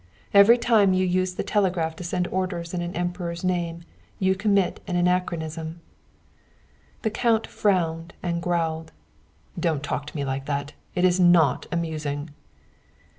Every time you use the telegraph to send orders in an emperor's name you commit an anachronism." The count frowned and growled. "Don't talk to me like that. It is not amusing."